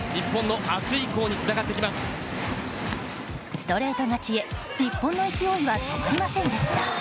ストレート勝ちへ日本の勢いは止まりませんでした。